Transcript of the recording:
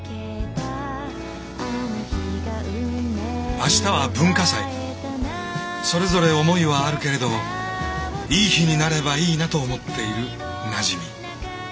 明日は文化祭それぞれ思いはあるけれどいい日になればいいなと思っているなじみ。